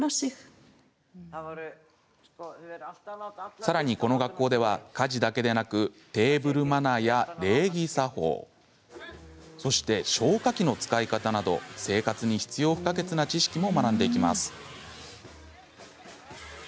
さらに、この学校では家事だけでなくテーブルマナーや礼儀作法消火器の使い方など生活に必要不可欠な知識も学んでいきます。